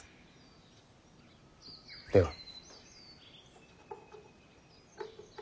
では。